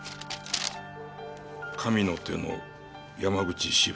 神の手の山口支部。